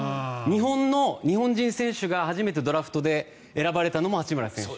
日本人選手が初めてドラフトで選ばれたのも八村選手。